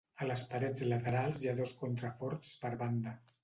A les parets laterals hi ha dos contraforts per banda.